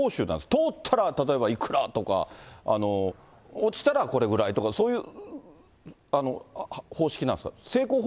通ったら例えばいくらとか、落ちたらこれぐらいとか、そういう方式なんですか？